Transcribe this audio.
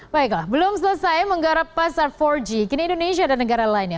baiklah belum selesai menggarap pasar empat g kini indonesia dan negara lainnya